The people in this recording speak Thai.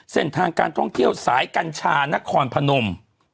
เส้นทางการท่องเที่ยวสายกัญชานครพนม